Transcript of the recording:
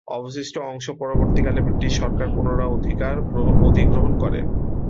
অবশিষ্ট অংশ পরবর্তীকালে ব্রিটিশ সরকার পুনরায় অধিগ্রহণ করে নেয়।